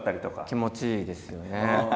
気持ちいいですよね。